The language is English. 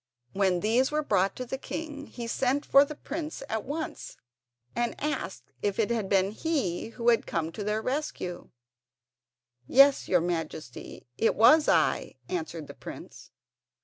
When these were brought to the king he sent for the prince at once and asked if it had been he who had come to their rescue. "Yes, your Majesty, it was I," answered the prince.